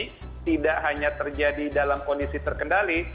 ini tidak hanya terjadi dalam kondisi terkendali